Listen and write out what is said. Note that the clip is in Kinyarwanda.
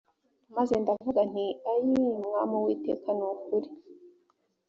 maze ndavuga nti ayii mwami uwiteka ni ukuri